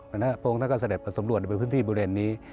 และพระองค์ท่านก็เสร็จประสบรวจเป็นพื้นที่บริเวณนี้